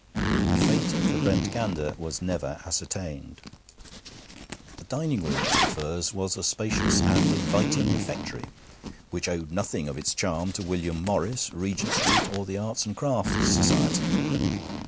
The fate of the Brent gander was never ascertained. II The dining room of The Firs was a spacious and inviting refectory, which owed nothing of its charm to William Morris, Regent Street, or the Arts and Crafts Society.